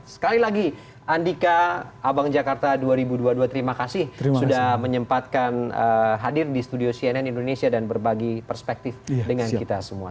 sekali lagi andika abang jakarta dua ribu dua puluh dua terima kasih sudah menyempatkan hadir di studio cnn indonesia dan berbagi perspektif dengan kita semua